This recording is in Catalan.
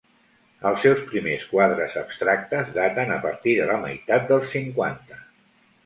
Els seus primers quadres abstractes daten a partir de la meitat dels cinquanta.